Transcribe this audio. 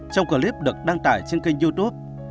trong clip được đăng tải trên kênh youtube